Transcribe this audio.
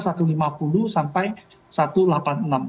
satu ratus lima puluh sampai satu ratus delapan puluh enam